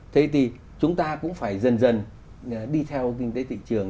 thế thì chúng ta cũng phải dần dần đi theo kinh tế thị trường